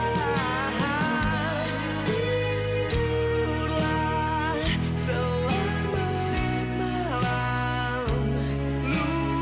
tidurlah selama malam